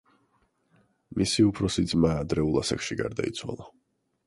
მისი უფროსი ძმა ადრეულ ასაკში გარდაიცვალა.